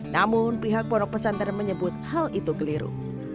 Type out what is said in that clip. namun pihak pondok pesantren menyebut hal itu keliru